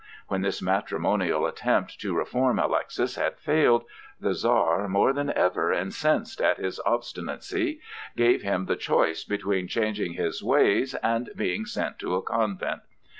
When this matrimonial attempt to reform Alexis had failed, the Czar, more than ever incensed at his obstinacy, gave him the choice between changing his ways and being sent to a convent.